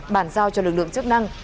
bàn giao cho lực lượng chức năng